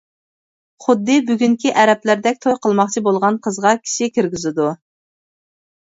خۇددى بۈگۈنكى ئەرەبلەردەك توي قىلماقچى بولغان قىزغا كىشى كىرگۈزىدۇ.